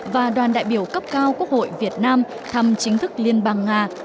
và đoàn đại biểu cấp cao quốc hội việt nam thăm chính thức liên bang nga